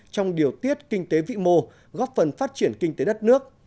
trong điều tiết kinh tế vĩ mô góp phần phát triển kinh tế đất nước